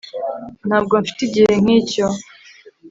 ntabwo mfite igihe nk'icyo